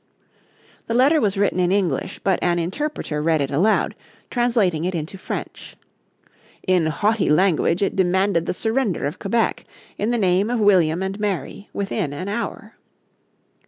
The letter was written in English, but an interpreter read it aloud, translating it into French. In haughty language it demanded the surrender of Quebec, in the name of William and Mary, within an hour.